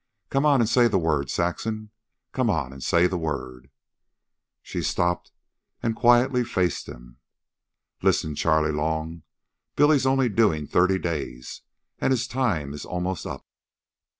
"Come on an' say the word, Saxon. Come on an' say the word." Saxon stopped and quietly faced him. "Listen, Charley Long. Billy's only doing thirty days, and his time is almost up.